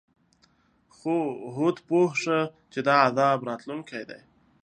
خو هود پوه شو چې دا عذاب راتلونکی دی.